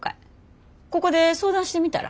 ここで相談してみたら？